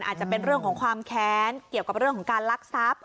อาจจะเป็นเรื่องของความแค้นเกี่ยวกับเรื่องของการลักทรัพย์